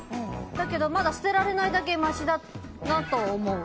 だけどまだ捨てられないだけましだなって思う。